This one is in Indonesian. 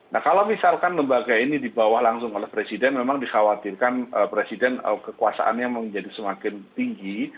nah kalau misalkan lembaga ini dibawa langsung oleh presiden memang dikhawatirkan presiden kekuasaannya menjadi semakin tinggi